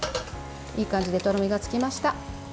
いい感じでとろみがつきました。